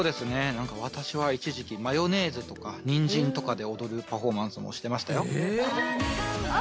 なんか私は一時期マヨネーズとかにんじんとかで踊るパフォーマンスもしてましたよ。